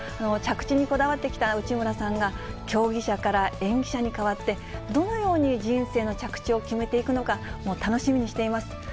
着地にこだわってきた内村さんが、競技者から演技者に変わって、どのように人生の着地を決めていくのか、もう楽しみにしています。